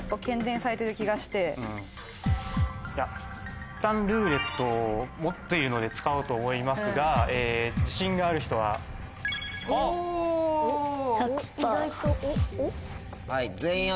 いったん「ルーレット」を持っているので使おうと思いますが自信がある人は？おっ！１００％。